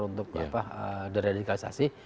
untuk di radikalisasi